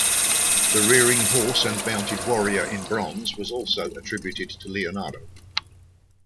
The Rearing Horse and Mounted Warrior in bronze was also attributed to Leonardo.